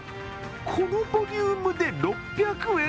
このボリュームで６００円！